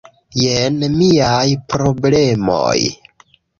Jen miaj problemoj: